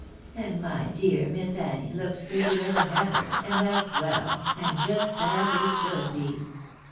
And my dear Miss Annie looks prettier than ever, and that's well, and just as it should be."